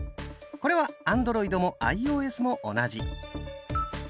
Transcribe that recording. これはアンドロイドもアイオーエスも同じ。